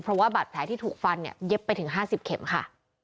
เพราะว่าบัตรแผลที่ถูกฟันเย็บไปถึงห้าสิบเข็มค่ะ